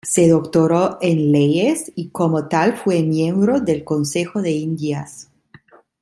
Se doctoró en Leyes y como tal fue miembro del Consejo de Indias.